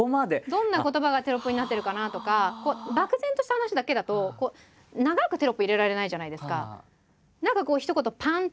どんな言葉がテロップになってるかなとか漠然とした話だけだとこう長くテロップ入れられないじゃないですか。